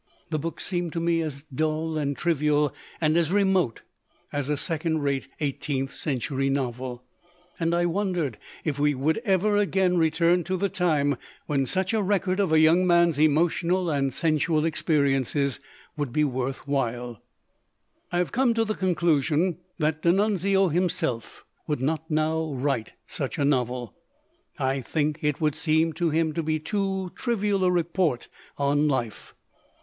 The book seemed to me as dull and trivial and as remote as a second rate eighteenth century novel. And I wondered if we would ever again return to the time when such a 140 COMMERCIALIZING record of a young man's emotional and sensual experiences would be worth while. "I came to the conclusion that D'Annunzio himself would not now write such a novel. I think that it would seem to him to be too trivial a report on life.